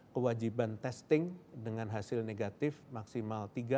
kewajiban testing dengan hasil negatif maksimal tiga x dua puluh empat jam sebelum keberangkatan